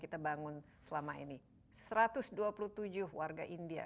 kita bangun selama ini satu ratus dua puluh tujuh warga india